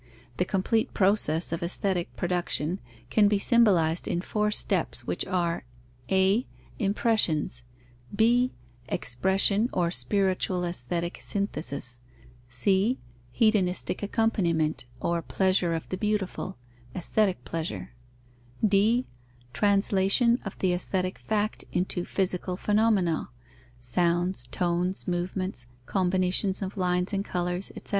The complete process of aesthetic production can be symbolized in four steps, which are: a, impressions; b, expression or spiritual aesthetic synthesis; c, hedonistic accompaniment, or pleasure of the beautiful (aesthetic pleasure); d, translation of the aesthetic fact into physical phenomena (sounds, tones, movements, combinations of lines and colours, etc.).